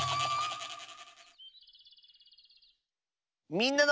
「みんなの」。